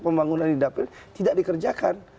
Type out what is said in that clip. pembangunan di dapil tidak dikerjakan